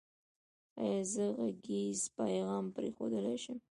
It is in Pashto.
ایا زه غږیز پیغام پریښودلی شم؟